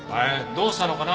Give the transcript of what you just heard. どうしたのかな？